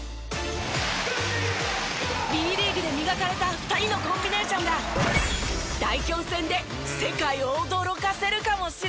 Ｂリーグで磨かれた２人のコンビネーションが代表戦で世界を驚かせるかもしれません！